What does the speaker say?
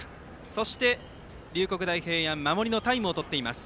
そして龍谷大平安は守りのタイムを取っています。